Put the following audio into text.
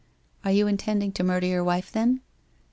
' Are you intending to murder your wife, then?